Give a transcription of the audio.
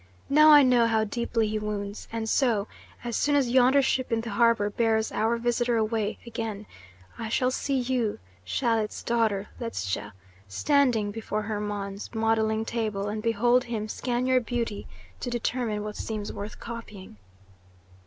Now I know how deeply he wounds, and so, as soon as yonder ship in the harbour bears our visitor away again, I shall see you, Schalit's daughter, Ledscha, standing before Hermon's modelling table and behold him scan your beauty to determine what seems worth copying."